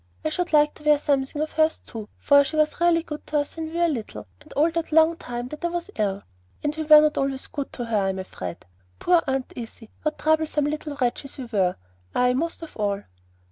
I should like to wear something of hers too, for she was really good to us when we were little, and all that long time that I was ill; and we were not always good to her, I am afraid. Poor Aunt Izzy! What troublesome little wretches we were, I most of all!"